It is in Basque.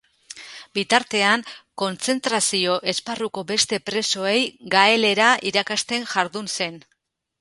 Bitartean, kontzentrazio-esparruko beste presoei gaelera irakasten jardun zen.